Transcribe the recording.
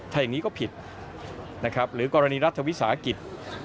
ถ้าอย่างนี้ก็ผิดนะครับหรือกรณีรัฐวิสาหกิจ